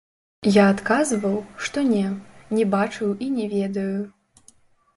Я адказваў, што не, не бачыў і не ведаю.